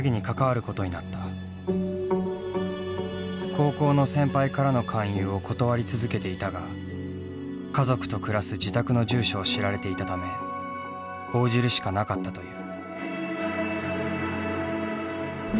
高校の先輩からの勧誘を断り続けていたが家族と暮らす自宅の住所を知られていたため応じるしかなかったという。